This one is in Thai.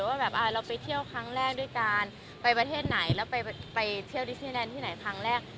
ว่าแบบเราไปเที่ยวครั้งแรกด้วยการไปประเทศไหนแล้วไปเที่ยวดิสเตอร์แลนดที่ไหนครั้งแรก